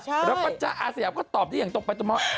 เออใช่แล้วปัญญาอาเซียบก็ตอบที่อย่างตกไปตรงนั้นว่า